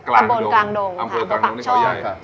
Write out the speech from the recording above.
อำเภอกลางดงในเก่าไย